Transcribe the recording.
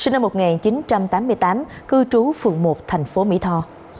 sinh năm một nghìn chín trăm tám mươi tám cư trú phường một thành phố mỹ tho